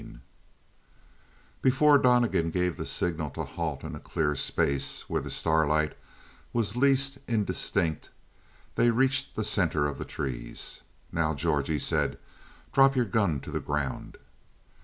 15 Before Donnegan gave the signal to halt in a clear space where the starlight was least indistinct, they reached the center of the trees. "Now, George," he said, "drop your gun to the ground."